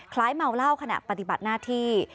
เมาเหล้าขณะปฏิบัติหน้าที่